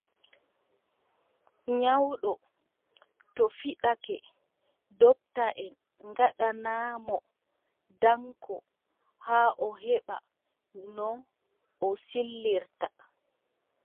Nyawɗo to fiɗake, ndoptaʼen ngaɗana mo danko haa o heɓa no o sillira.